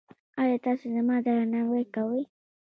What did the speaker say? ایا تاسو زما درناوی کوئ؟